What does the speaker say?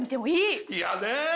いやねえ。